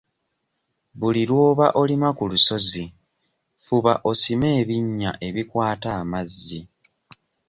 Buli lw'oba olima ku lusozi fuba osime ebinnya ebikwata amazzi.